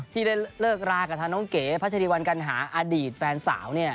ที่ได้เลิกรากับทางน้องเก๋พัชริวัลกัณหาอดีตแฟนสาว